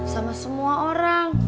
sama semua orang